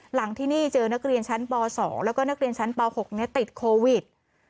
หลังที่นี่เจอนักเรียนชั้นป๒แล้วก็นักเรียนชั้นป๖ติดโควิด